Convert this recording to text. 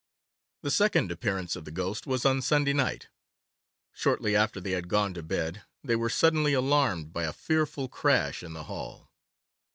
The second appearance of the ghost was on Sunday night. Shortly after they had gone to bed they were suddenly alarmed by a fearful crash in the hall.